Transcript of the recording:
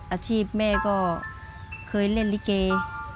อาชีพแม่ก็เคยเล่นลิเก